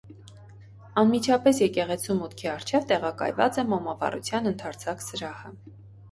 Անմիջապես եկեղեցու մուտքի առջև տեղակայված է մոմավառության ընդարձակ սրահը։